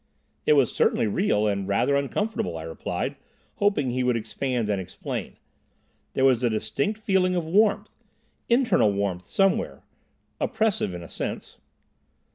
"It was certainly real, and rather uncomfortable," I replied, hoping he would expand and explain. "There was a distinct feeling of warmth—internal warmth somewhere—oppressive in a sense."